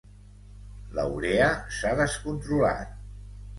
La urea s'ha descontrolat.